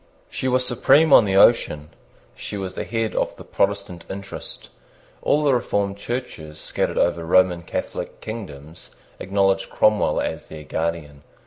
She was supreme on the ocean. She was the head of the Protestant interest. All the reformed Churches scattered over Roman Catholic kingdoms acknowledged Cromwell as their guardian.